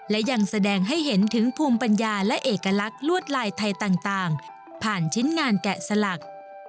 และยังแสดงให้เห็นถึงภูมิปัญญาและเอกลักษณ์ลวดลายไทยต่างผ่านชิ้นงานแกะสลัก